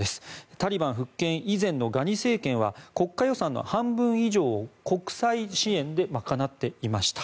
タリバン復権以前のガニ政権は国家予算の半分以上を国際支援で賄っていました。